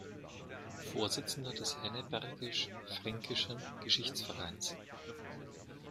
Vorsitzender des Hennebergisch-Fränkischen Geschichtsvereins.